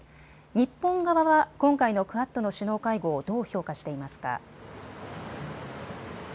日本側は今回のクアッドの首脳会合をどう評価していますか。